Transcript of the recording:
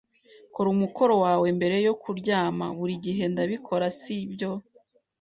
"Kora umukoro wawe mbere yo kuryama." "Buri gihe ndabikora, si byo?"